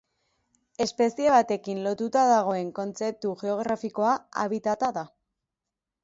Espezie batekin lotuta dagoen kontzeptu geografikoa habitata da.